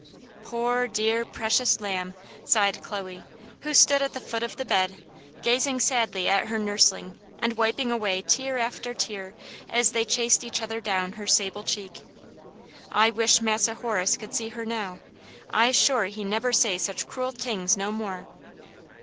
"Poor, dear, precious lamb!" sighed Chloe, who stood at the foot of the bed, gazing sadly at her nursling, and wiping away tear after tear, as they chased each other down her sable cheek. "I wish Massa Horace could see her now. I'se sure he nebber say such cruel tings no more."